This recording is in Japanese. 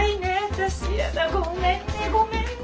私やだごめんねごめんね！